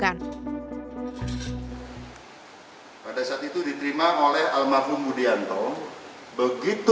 yang bertemu dengan pemilik sertifikat